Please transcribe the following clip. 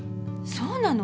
そうなの？